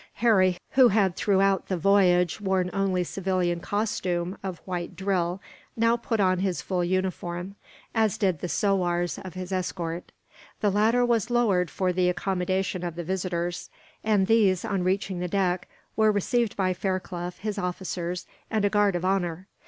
Harry, who had throughout the voyage worn only civilian costume of white drill, now put on his full uniform; as did the sowars of his escort. The ladder was lowered for the accommodation of the visitors; and these, on reaching the deck, were received by Fairclough, his officers, and a guard of honour.